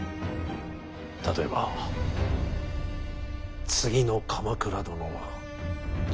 例えば次の鎌倉殿は自分だと。